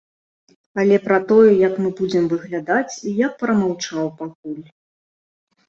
Але пра тое, як мы будзем выглядаць, я б прамаўчаў пакуль!